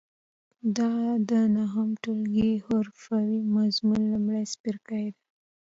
دا د نهم ټولګي د حرفې مضمون لومړی څپرکی دی.